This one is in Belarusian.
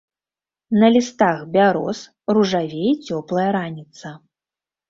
На лістах бяроз ружавее цёплая раніца.